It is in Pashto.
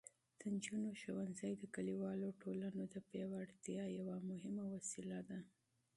د نجونو ښوونځي د کلیوالو ټولنو د پیاوړتیا یوه مهمه وسیله ده.